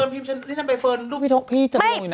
เฟิร์นพีมฉันนี่ทำไมเฟิร์นรูปพี่ทกพี่จังหลงอยู่น่ะ